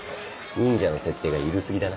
忍者の設定が緩過ぎだな。